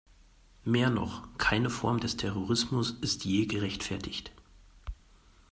Mehr noch – keine Form des Terrorismus ist je gerechtfertigt.